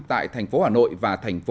tại tp hcm và tp hcm